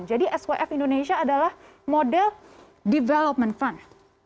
jadi swf indonesia adalah model development fund